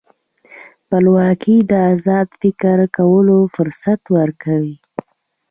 خپلواکي د ازاد فکر کولو فرصت ورکوي.